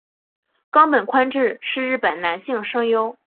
冈本宽志是日本男性声优。